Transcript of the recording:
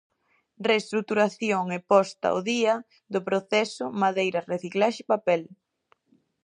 Reestruturación e posta ao día do proceso madeira-reciclaxe-papel.